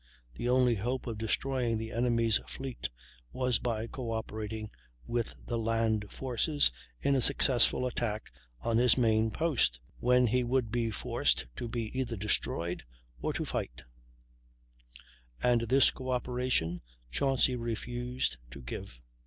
The only hope of destroying the enemy's fleet was by cooperating with the land forces in a successful attack on his main post, when he would be forced to be either destroyed or to fight and this cooperation Chauncy refused to give.